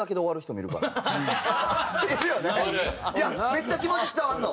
いやめっちゃ気持ち伝わるの。